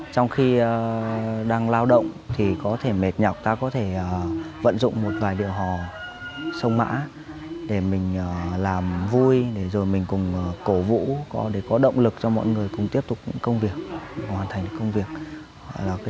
trong khi đang lao động thì có thể mệt nhọc ta có thể vận dụng một vài điệu hò sông mã để mình làm vui để rồi mình cùng cổ vũ để có động lực cho mọi người cùng tiếp tục những công việc hoàn thành công việc